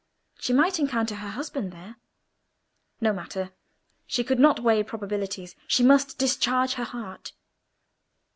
She might encounter her husband there. No matter. She could not weigh probabilities; she must discharge her heart.